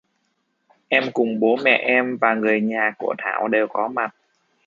Em cùng bố mẹ em và người nhà của Thảo đều có mặt